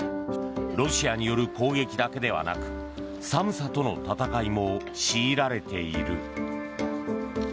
ロシアによる攻撃だけではなく寒さとの戦いも強いられている。